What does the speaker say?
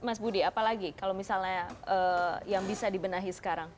mas budi apalagi kalau misalnya yang bisa dibenahi sekarang